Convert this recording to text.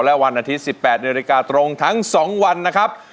และวันอาทิตย์๑๘นาฬิกาตรงทั้ง๒วันนะครับ